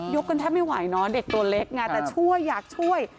กันแทบไม่ไหวเนอะเด็กตัวเล็กไงแต่ช่วยอยากช่วย